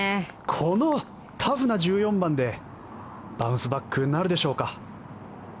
このタフな１４番でバウンスバックなるでしょうか。